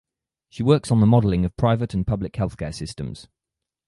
She works on the modelling of private and public healthcare systems.